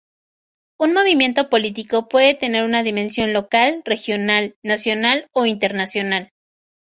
Un movimiento político puede tener una dimensión local, regional, nacional, o internacional.